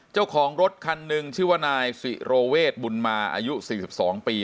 เจ้าของรถคันหนึ่งชื่อว่านายสิโรเวทบุญมาอายุ๔๒ปี